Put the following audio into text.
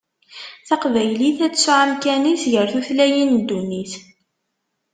Taqbaylit ad tesɛu amkan-is gar tutlayin n ddunit.